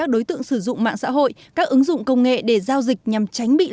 đối tượng sử dụng mạng xã hội các ứng dụng công nghệ để giao dịch nhằm tránh bị lửa